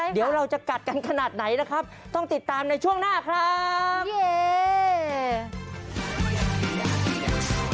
เดี๋ยวเราจะกัดกันขนาดไหนนะครับต้องติดตามในช่วงหน้าครับ